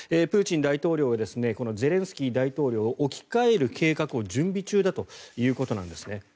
プーチン大統領がゼレンスキー大統領を置き換える計画を準備中だということなんですね。